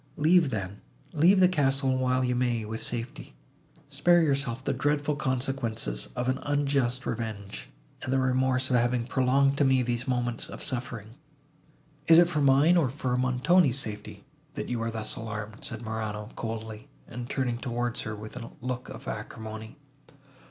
Leave, then, leave the castle, while you may with safety. Spare yourself the dreadful consequences of an unjust revenge, and the remorse of having prolonged to me these moments of suffering." "Is it for mine, or for Montoni's safety, that you are thus alarmed?" said Morano, coldly, and turning towards her with a look of acrimony.